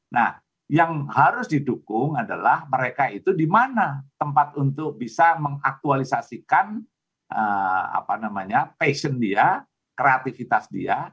nah yang harus didukung adalah mereka itu di mana tempat untuk bisa mengaktualisasikan passion dia kreativitas dia